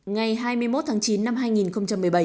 ngày hai mươi một tháng chín năm hai nghìn một mươi bảy